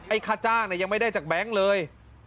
ไอ้คาจ้างยังไม่ได้จากแบงค์เลย